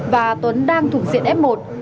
và tuấn đang thủng diện f một